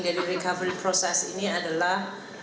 dari recovery proses ini adalah